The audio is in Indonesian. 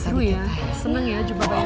seru ya seneng ya